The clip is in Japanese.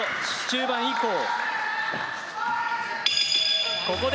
中盤以降。